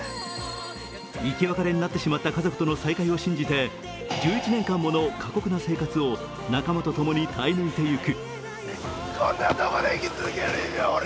生き別れになってしまった家族との再会を信じて、１１年間もの過酷な生活を仲間とともに耐え抜いていく。